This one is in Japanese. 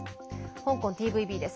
香港ＴＶＢです。